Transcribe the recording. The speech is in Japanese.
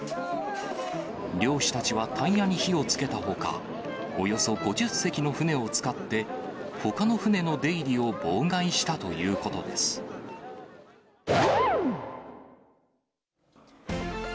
漁師たちはタイヤに火をつけたほか、およそ５０隻の船を使って、ほかの船の出入りを妨害したといソウルの市場で、日本人にも知られる、